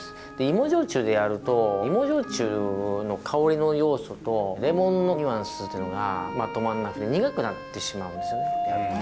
芋焼酎でやると芋焼酎の香りの要素とレモンのニュアンスというのがまとまんなくて苦くなってしまうんですよね。